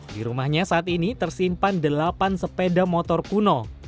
di rumahnya saat ini tersimpan delapan sepeda motor kuno